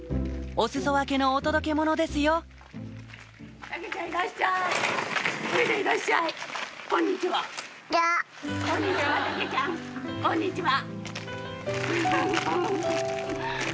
お裾分けのお届け物ですよこんにちは。